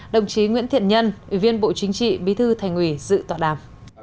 đồng chí nguyễn thiện nhân ủy viên bộ chính trị bí thư thành ủy dự tọa đàm